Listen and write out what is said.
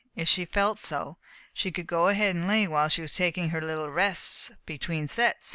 If she felt so, she could go ahead and lay while she was taking her little rests between sets.